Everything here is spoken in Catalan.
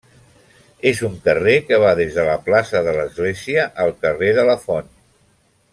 És un carrer que va des de la plaça de l'església al carrer La Font.